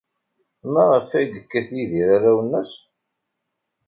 Maɣef ay yekkat Yidir arraw-nnes?